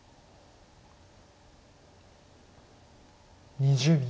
２０秒。